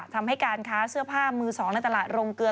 ทำให้การค้าเสื้อผ้ามือสองในตลาดโรงเกลือ